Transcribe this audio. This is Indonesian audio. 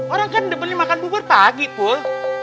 orang kan dibeli makan bubur pagi pul